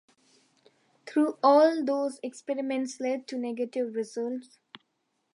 Though all of those experiments led to negative results.